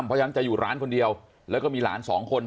เพราะฉะนั้นจะอยู่ร้านคนเดียวแล้วก็มีหลานสองคน